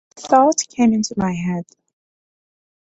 A thought came into my head.